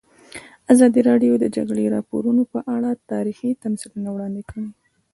ازادي راډیو د د جګړې راپورونه په اړه تاریخي تمثیلونه وړاندې کړي.